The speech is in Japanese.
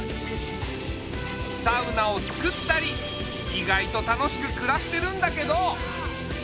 サウナをつくったり意外と楽しくくらしてるんだけど。